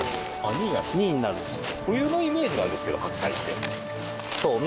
２位になるんですよ。